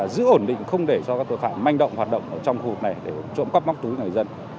giữ ổn định không để cho các tội phạm manh động hoạt động trong khu vực này để trộm cắp móc túi người dân